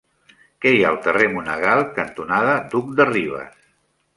Què hi ha al carrer Monegal cantonada Duc de Rivas?